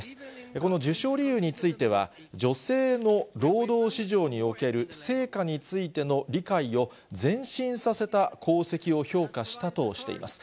この授賞理由については、女性の労働市場における成果についての理解を前進させた功績を評価したとしています。